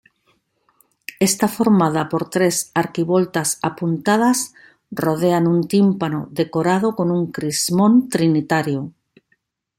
Está formada por tres arquivoltas apuntadas rodean un tímpano decorado con un crismón trinitario.